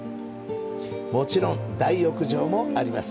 もちろん大浴場もあります。